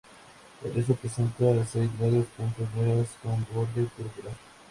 El resto presenta seis largas puntas negras con borde púrpura.